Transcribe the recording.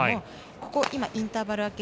ここ、インターバル明け